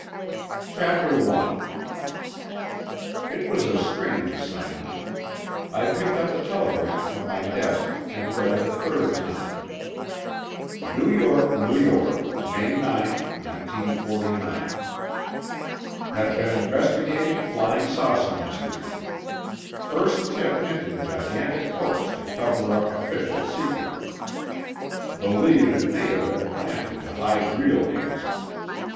CHAPTER I It was a strange assignment. I picked up the telegram from my desk and read it a third time. NEW YORK, N. Y., MAY 9, 1949 HAVE BEEN INVESTIGATING FLYING SAUCER MYSTERY. FIRST TIP HINTED GIGANTIC HOAX TO COVER UP OFFICIAL SECRET. BELIEVE IT MAY HAVE BEEN PLANTED TO HIDE REAL ANSWER.